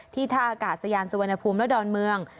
ท่าอากาศยานสุวรรณภูมิและดอนเมือง